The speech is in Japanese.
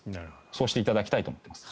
そう考えていだたきたいと思います。